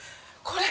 これ！